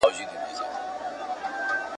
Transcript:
پردی کسب ,